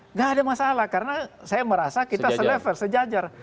nggak ada masalah karena saya merasa kita selever sejajar